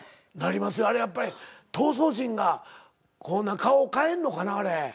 やっぱり闘争心が顔を変えんのかなあれ。